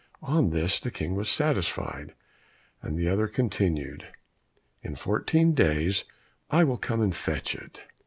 On this the King was satisfied, and the other continued, "In fourteen days, I will come and fetch it."